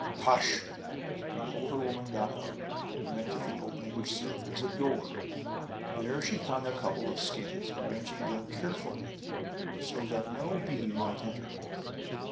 "Hush!" The older woman got up and went to the opening which served as a door. There she hung a couple of skins, arranging them carefully so that no bee might enter.